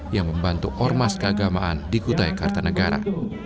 yang membantu ormas keagamaan di kutai kartanegara